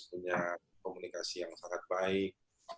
punya komunikasi yang sangat baik